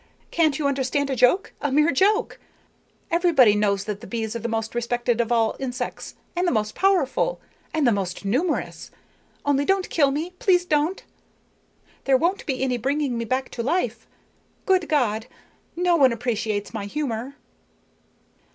Can't you understand a joke, a mere joke? Everybody knows that you bees are the most respected of all insects, and the most powerful, and the most numerous. Only don't kill me, please don't. There won't be any bringing me back to life. Good God! No one appreciates my humor!"